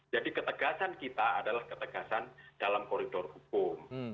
jadi ketegasan kita adalah ketegasan dalam koridor hukum